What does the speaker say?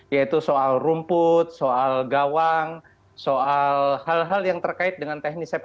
yaitu soal rumput soal gawang soal hal hal yang terkait dengan teknis sepak bola